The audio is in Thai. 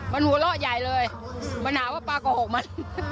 มันหัวเราะใหญ่เลยมันหาว่าปลาโกหกมัน